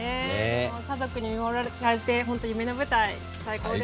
でも家族に見守られてほんと夢の舞台最高でした。